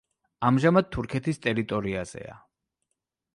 ამჟამად თურქეთის ტერიტორიაზეა.